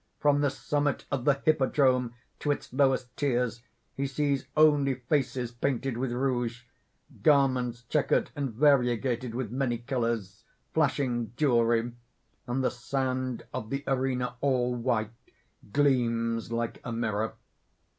From the summit of the hippodrome to its lowest tiers, he sees only faces painted with rouge, garments checkered and variegated with many colors, flashing jewelry; and the sand of the arena, all white, gleams like a mirror.